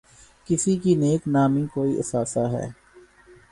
کسی کی نیک نامی کوئی اثاثہ ہے۔